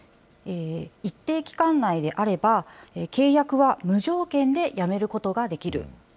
一定期間内であれば、契約は無条件でやめることができる。